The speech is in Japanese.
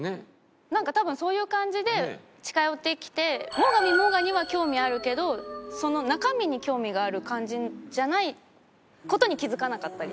なんか多分そういう感じで近寄ってきて最上もがには興味あるけどその中身に興味がある感じじゃない事に気付かなかったりとか。